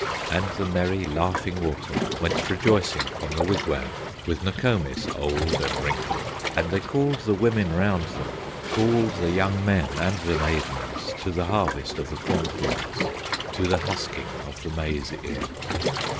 And the merry Laughing Water Went rejoicing from the wigwam, With Nokomis, old and wrinkled, And they called the women round them, Called the young men and the maidens, To the harvest of the cornfields, To the husking of the maize ear.